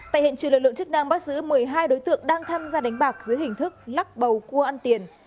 tại hiện trừ lợi lượng chức năng bắt giữ một mươi hai đối tượng đang thăm gia đánh bạc dưới hình thức lắc bầu cua ăn tiền